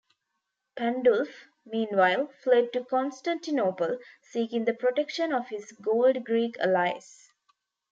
Pandulf, meanwhile, fled to Constantinople, seeking the protection of his old Greek allies.